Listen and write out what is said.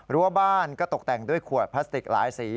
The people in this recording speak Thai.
รั้วบ้านก็ตกแต่งด้วยขวดพลาสติกหลายสี